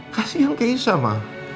kasih yang kesya ma